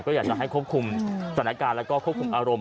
ก็อยากจะให้ควบคุมสถานการณ์แล้วก็ควบคุมอารมณ์